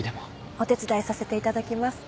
お手伝いさせていただきます。